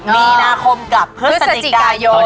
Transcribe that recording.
มีนาคมกับเพื่อสนิกายน